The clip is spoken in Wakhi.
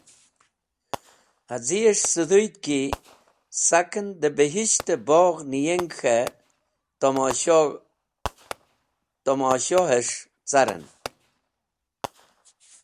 Haz̃iyes̃h sũdhoyd ki saken dẽ bihisht-e bogh niyeng k̃he tamoshohes̃h caren.